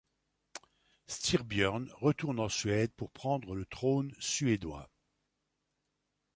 Styrbjörn retourne en Suède pour prendre le trône suédois.